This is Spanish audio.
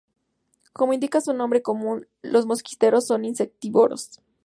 Como indica su nombre común, los mosquiteros son insectívoros.